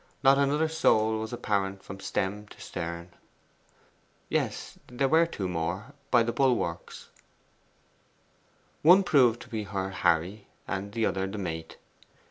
Not another soul was apparent from stem to stern. Yes, there were two more by the bulwarks. One proved to be her Harry, the other the mate.